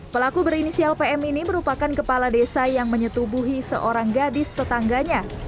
pelaku berinisial pm ini merupakan kepala desa yang menyetubuhi seorang gadis tetangganya